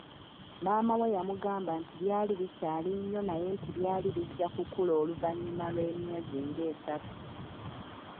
Maama we yamugamba nti byali bikyali nnyo naye nti byali bijja kukula oluvanyuma lw’emyezi ng’esatu.